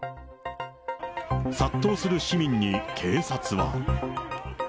殺到する市民に、警察は。